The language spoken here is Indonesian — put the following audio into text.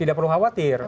tidak perlu khawatir